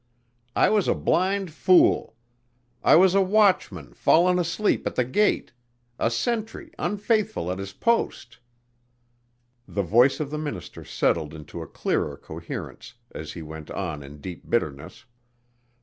I was a blind fool. I was a watchman fallen asleep at the gate a sentry unfaithful at his post." The voice of the minister settled into a clearer coherence as he went on in deep bitterness.